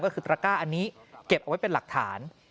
ก็คือตระก้าอันนี้เก็บเอาไว้เป็นหลักฐาน